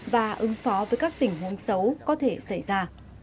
và ứng phó với các tình huống xấu có thể xảy ra